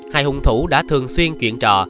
hai hùng thủ đã thường xuyên chuyển trọ